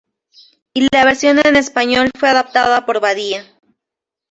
Y la versión en español fue adaptada por Badía.